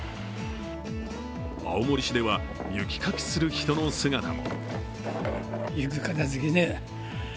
青森市では、雪かきする人の姿も。